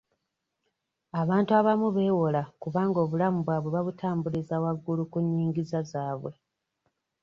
Abantu abamu beewola kubanga obulamu bwabwe babutambuliza wagulu ku nnyingiza zaabwe.